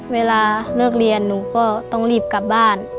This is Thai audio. เวลาเริ่มเลิกเรียนนิวก็ต้องหลีบกลับบ้าน